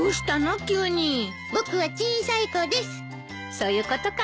そういうことか。